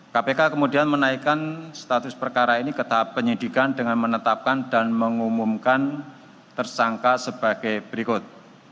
kpk kemudian menaikkan status perkara ini ke tahap penyidikan dengan menetapkan dan mengumumkan tersangka sebagai berikut